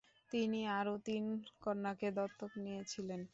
তিনি আরও তিন কন্যাকে দত্তক নিয়েছিলেন।